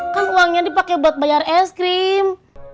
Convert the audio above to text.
kan uangnya dipakai buat bayar es krim